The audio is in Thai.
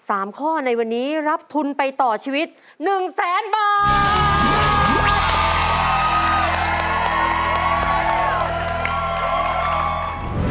สามข้อในวันนี้รับทุนไปต่อชีวิตหนึ่งแสนบาท